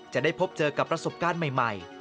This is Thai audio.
จะได้พบเจอกับประสบการณ์ใหม่